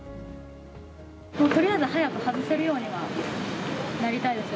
とりあえず早く外せるようにはなりたいです。